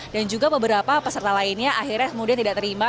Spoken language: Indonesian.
dan juga beberapa peserta lainnya akhirnya tidak terima